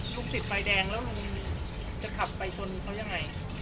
ลูกสิทธิไปแดงแล้วมึงจะขับไปชนเขายังไง